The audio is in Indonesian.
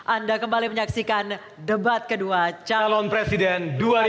anda kembali menyaksikan debat kedua calon presiden dua ribu sembilan belas